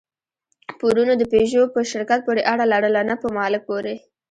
پورونو د پيژو په شرکت پورې اړه لرله، نه په مالک پورې.